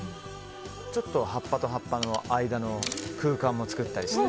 葉っぱと葉っぱの間の空間も作ったりして。